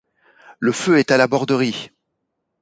Le feu est à la Borderie!